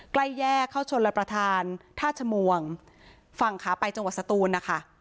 ใกล้แยกเข้าชนรับประทานท่าชมวงฝั่งขาไปจังหวัดสตูนนะคะ